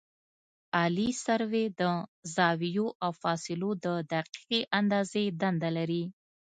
عالي سروې د زاویو او فاصلو د دقیقې اندازې دنده لري